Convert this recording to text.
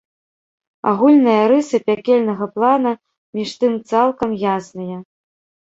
Агульныя рысы пякельнага плана між тым цалкам ясныя.